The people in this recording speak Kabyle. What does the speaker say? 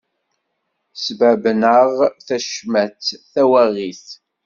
Sbabben-aɣ tacmat, tawaɣit.